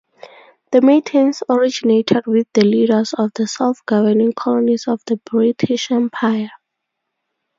The meetings originated with the leaders of the self-governing colonies of the British Empire.